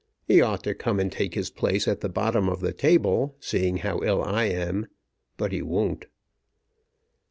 He ought to come and take his place at the bottom of the table, seeing how ill I am; but he won't."